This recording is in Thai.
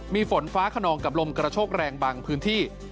มีฝนฟ้าขนองกับลมกระโชกแรงบางพื้นที่